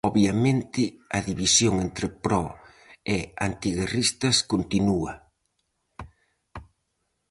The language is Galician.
Obviamente a división entre pro- e antiguerristas continúa.